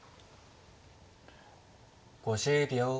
５０秒。